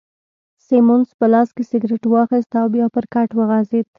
سیمونز په لاس کي سګرېټ واخیست او بیا پر کټ وغځېد.